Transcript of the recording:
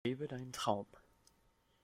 Lebe deinen Traum!